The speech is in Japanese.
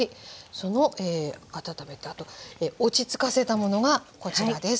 その温めたあと落ち着かせたものがこちらです。